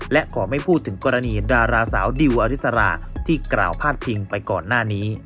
และขอไม่พูดถึงกรณีดาราสาวดิวอริสราที่กล่าวพาดพิงไปก่อนหน้านี้